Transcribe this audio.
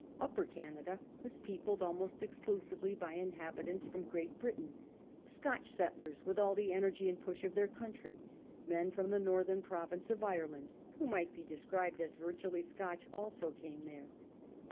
Upper Canada was peopled almost exclusively by inhabitants from Great Britain. Scotch settlers with all the energy and push of their country ; men from the northern province of Ireland, who might be described as virtually Scotch also, came there.